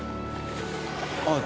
あっ。